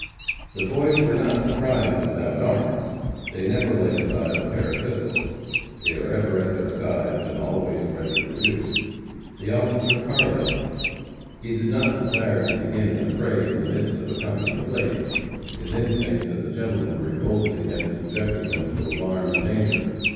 The Boys were not surprised without arms. They never lay aside a pair of pistols. They are ever at their sides, and always ready for use. The officer parleyed. He did not desire to begin an affray in the midst of a company of ladies his instincts as a gentleman revolted against subjecting them to alarm and danger.